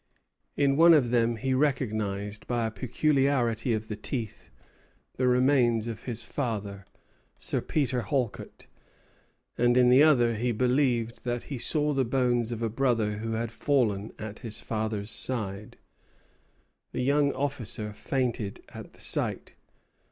In one of them he recognized, by a peculiarity of the teeth, the remains of his father, Sir Peter Halket, and in the other he believed that he saw the bones of a brother who had fallen at his father's side. The young officer fainted at the sight.